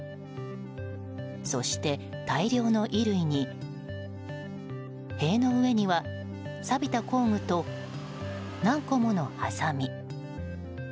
そして大量の衣類に塀の上にはさびた工具と何個ものハサミ。